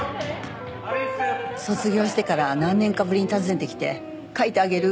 卒業してから何年かぶりに訪ねてきて描いてあげる！